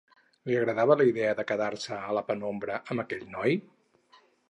Li agradava la idea de quedar-se a la penombra amb aquell noi?